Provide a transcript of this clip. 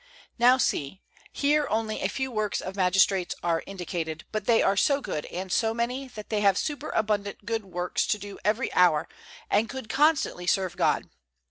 Now see, here only a few works of magistrates are indicated, but they are so good and so many, that they have superabundant good works to do every hour and could constantly serve God.